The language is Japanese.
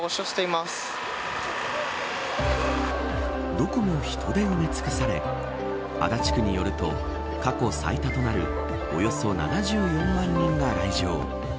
どこも人で埋め尽くされ足立区によると、過去最多となるおよそ７４万人が来場。